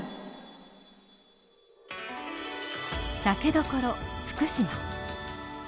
酒どころ福島。